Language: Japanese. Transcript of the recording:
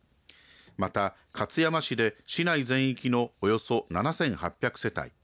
また、勝山市で市内全域のおよそ７８００世帯